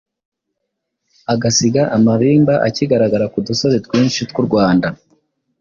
agasiga amabimba akigaragara ku dusozi twinshi tw’u Rwanda